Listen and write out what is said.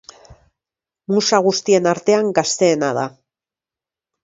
Musa guztien artean gazteena da.